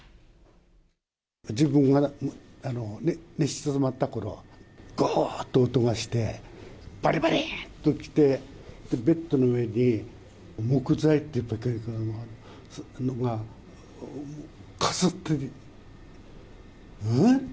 自分が寝静まったころ、ごーっと音がして、ばりばりっときて、ベッドの上に、木材というか、かすって、